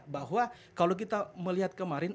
bahwa kalau kita melihat kemarin